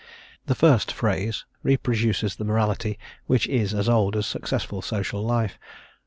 The first phase reproduces the morality which is as old as successful social life.